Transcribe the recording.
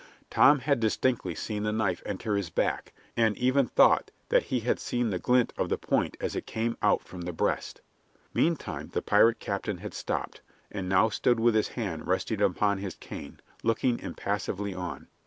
Tom had distinctly seen the knife enter his back, and even thought that he had seen the glint of the point as it came out from the breast. Meantime the pirate captain had stopped, and now stood with his hand resting upon his cane looking impassively on.